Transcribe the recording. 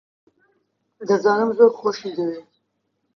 دەزانم زۆر خۆشی دەوێیت.